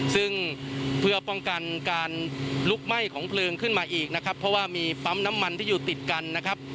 ซึ่งเพื่อป้องกันการลุกไหม้ของเพลิงขึ้นมาอีกนะครับเพราะว่ามีปั๊มน้ำมันที่อยู่ติดกันนะครับ